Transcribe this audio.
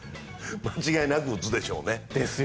間違いなく打つでしょうね。